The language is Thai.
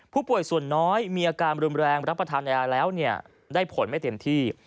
ผู้ป่วยส่วนน้อยมีอาการรุนแรงรับประทานยาแล้วได้ผลไม่เต็มที่